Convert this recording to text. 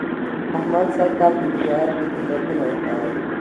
احمد سږ کال په تجارت کې تیندکونه و خوړل